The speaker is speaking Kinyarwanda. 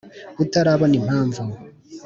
utarabona impamvu